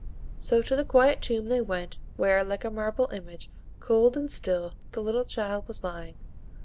So to the quiet tomb they went, where, like a marble image, cold and still, the little child was lying.